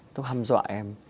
nó hâm dọa em